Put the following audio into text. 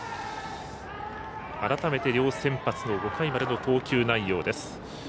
改めて両先発の５回までの投球内容です。